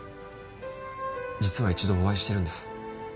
実は一度お会いしてるんです